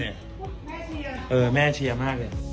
หนูก็ตามจากพี่เก่งไง